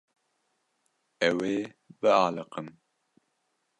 Ew ê bialiqin.